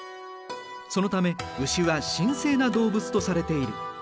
そのため牛は神聖な動物とされている。